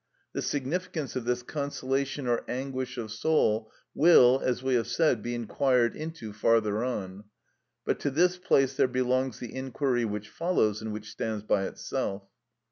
The significance of this consolation or anguish of soul will, as we have said, be inquired into farther on; but to this place there belongs the inquiry which follows, and which stands by itself.